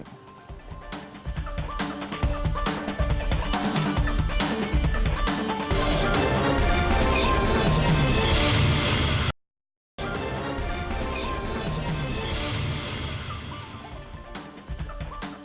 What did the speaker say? oke terima kasih mbak ratna